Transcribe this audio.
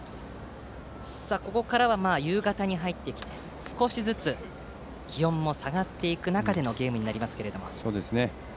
ここからは夕方に入ってきて少しずつ気温も下がっていく中のゲームになりますけれども。